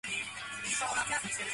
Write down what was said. Thus, A is elected Schulze winner.